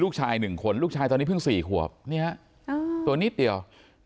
ลูกชายหนึ่งคนลูกชายตอนนี้เพิ่งสี่ขวบตัวนิดเดียว